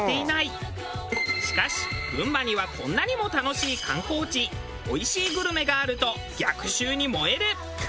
しかし群馬にはこんなにも楽しい観光地おいしいグルメがあると逆襲に燃える。